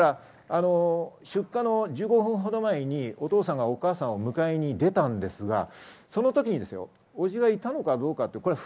出火の１５分ほど前にお父さんがお母さんを迎えに出たんですが、その時、伯父はいたのかどうか。